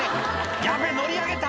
ヤベェ乗り上げた！」